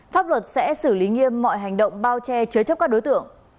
pháp luật sẽ xử lý nghiêm mọi hành động bao che chứa chấp các đối tượng